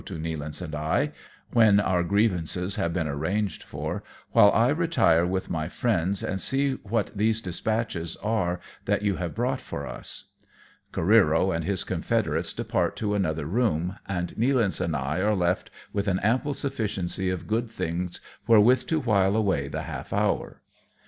273 to Nealance and I, when our grievances have been arranged for, " while I retire with my friends and see what these despatches are that you have brought for us." Careero and his confederates depart to another room, and Nealance and I are left with an ample sufficiency of good things wherewith to while away the half hour.